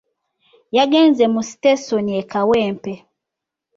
Yagenze mu Sitesoni e Kawempe.